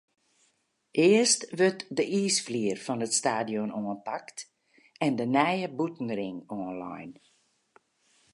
Earst wurdt de iisflier fan it stadion oanpakt en de nije bûtenring oanlein.